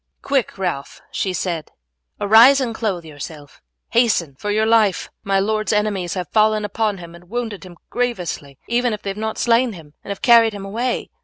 "Quick, Ralph!" she said, "arise and clothe yourself. Hasten, for your life. My lord's enemies have fallen upon him and wounded him grievously, even if they have not slain him, and have carried him away.